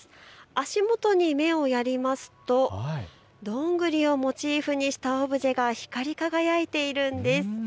足元に目をやりますとどんぐりをモチーフにしたオブジェが光り輝いているんです。